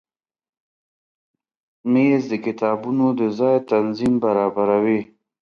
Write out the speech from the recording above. مېز د کتابونو د ځای تنظیم برابروي.